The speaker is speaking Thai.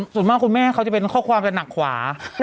ส่วนมากคุณแม่เขาจะเป็นข้อความจะหนักขวา